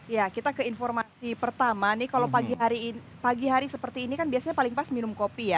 ya kita ke informasi pertama nih kalau pagi hari seperti ini kan biasanya paling pas minum kopi ya